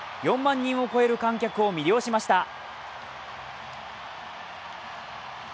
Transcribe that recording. ４万人を超える観客を魅了しました